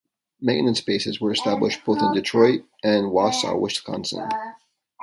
Maintenance bases were established both in Detroit and Wausau, Wisconsin.